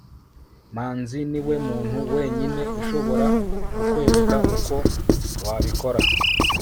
manzi niwe muntu wenyine ushobora kukwereka uko wabikora